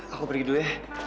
aku pergi dulu ya